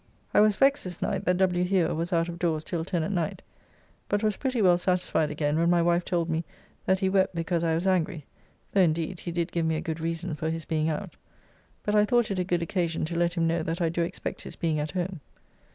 I was vexed this night that W. Hewer was out of doors till ten at night but was pretty well satisfied again when my wife told me that he wept because I was angry, though indeed he did give me a good reason for his being out; but I thought it a good occasion to let him know that I do expect his being at home.